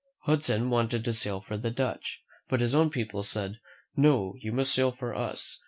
Hudson wanted to sail again for the Dutch, but his own people said, "No; you must sail for us.